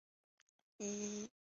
民国时期广东军阀陈济棠三子。